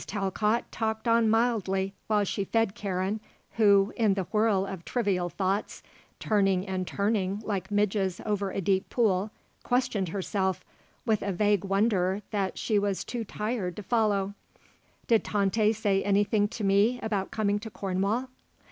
Talcott talked on mildly while she fed Karen who, in the whirl of trivial thoughts, turning and turning like midges over a deep pool, questioned herself, with a vague wonder that she was too tired to follow: "Did Tante say anything to me about coming to Cornwall?"